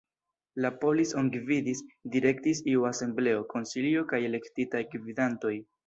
La "polis"on gvidis, direktis iu asembleo, konsilio kaj elektitaj gvidantoj.